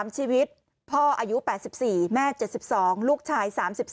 ๓ชีวิตพ่ออายุ๘๔แม่๗๒ลูกชาย๓๒